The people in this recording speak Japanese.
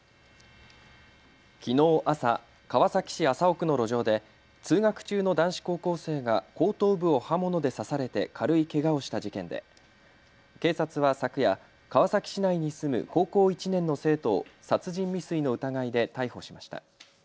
きのう朝、川崎市麻生区の路上で通学中の男子高校生が後頭部を刃物で刺されて軽いけがをした事件で警察は昨夜、川崎市内に住む高校１年の生徒を殺人未遂の疑いで逮捕しました。